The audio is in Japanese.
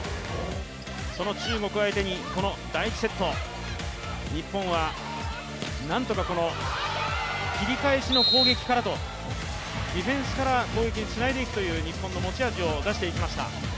その中国相手に、この第１セット、日本はなんとか切り返しの攻撃からとディフェンスから攻撃につないでいくという日本の持ち味を出していきました。